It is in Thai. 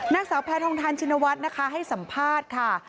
นักสาวแพทย์ท้องทานชินวัฒน์ให้สัมภาษณ์ค่ะ